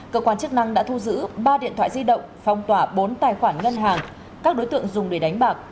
cơ quan chức năng đã thu giữ ba điện thoại di động phong tỏa bốn tài khoản ngân hàng các đối tượng dùng để đánh bạc